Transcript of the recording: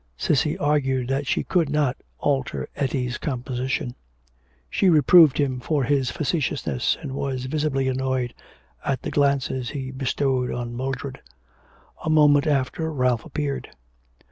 Cissy argued that she could not alter Etty's composition; she reproved him for his facetiousness, and was visibly annoyed at the glances he bestowed on Mildred. A moment after Ralph appeared.